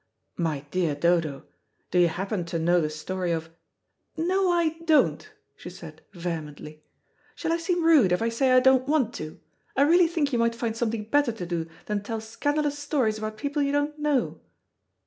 "My dear Dodo, do you happen to know the story of " "No, I don't," she said vehemently. "Shall I seem rude if I say I don't want to? I really think you might find something better to do than tell scandalous stories about people you don't know."